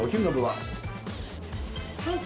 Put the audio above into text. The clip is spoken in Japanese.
はい！